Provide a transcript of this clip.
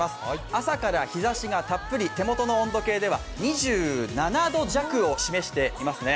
朝から日ざしがたっぷり手元の温度計では２７度弱を示していますね。